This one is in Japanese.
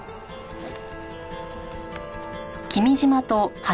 はい。